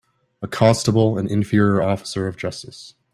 A constable an inferior officer of justice.